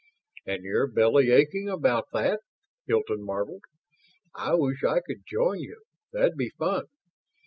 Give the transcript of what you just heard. "And you're bellyaching about that?" Hilton marveled. "I wish I could join you. That'd be fun."